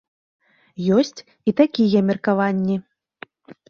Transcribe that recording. Ёсць і такія меркаванні.